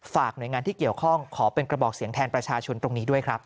หน่วยงานที่เกี่ยวข้องขอเป็นกระบอกเสียงแทนประชาชนตรงนี้ด้วยครับ